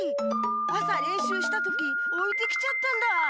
あされんしゅうしたときおいてきちゃったんだ。